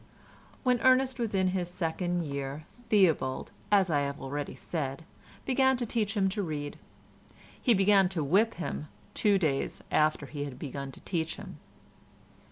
When Ernest was in his second year, Theobald, as I have already said, began to teach him to read. He began to whip him two days after he had begun to teach him.